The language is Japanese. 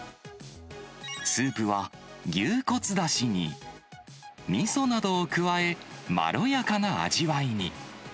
スープは牛骨だしにみそなどを加え、まろやかな味わいに。